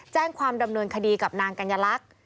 แจ้งความดำเนินคดีกับนางกัญลักษณ์